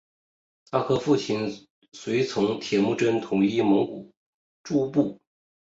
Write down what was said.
他和父亲随从铁木真统一蒙古诸部。